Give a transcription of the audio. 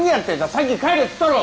さっき帰れっつったろ！